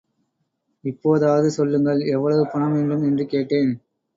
இப்போதாவது சொல்லுங்கள் எவ்வளவு பணம் வேண்டும் என்று கேட்டேன்.